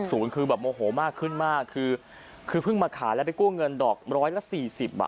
คือแบบโมโหมากขึ้นมากคือคือเพิ่งมาขายแล้วไปกู้เงินดอกร้อยละสี่สิบอ่ะ